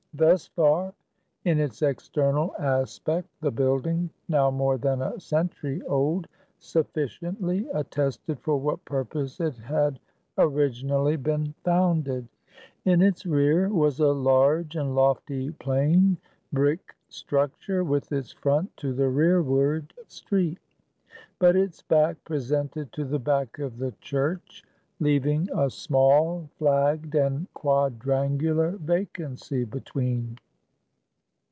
Thus far, in its external aspect, the building now more than a century old, sufficiently attested for what purpose it had originally been founded. In its rear, was a large and lofty plain brick structure, with its front to the rearward street, but its back presented to the back of the church, leaving a small, flagged, and quadrangular vacancy between.